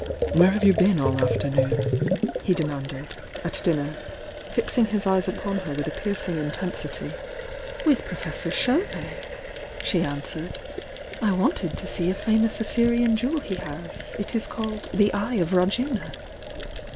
Where have you been all the afternoon?" he de manded, at dmner, fixing his eyes upon her with a piercing intensity. "With Professor Chauvet," she answered. "I '^ u"*j "IJ? ^f? * famous Assyrian jewel he has— it is called 'The Eye of Rajuna.'